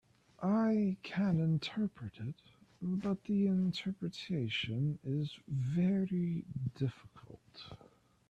I can interpret it, but the interpretation is very difficult.